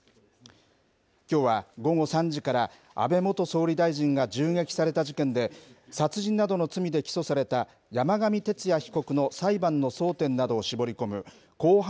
きょうは午後３時から、安倍元総理大臣が銃撃された事件で、殺人などの罪で起訴された山上徹也被告の裁判の争点などを絞り込む公判